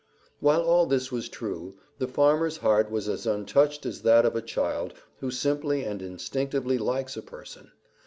While all this was true, the farmer's heart was as untouched as that of a child who simply and instinctively likes a person.